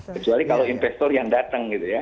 kecuali kalau investor yang datang